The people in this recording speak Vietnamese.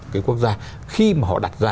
cái quốc gia khi mà họ đặt ra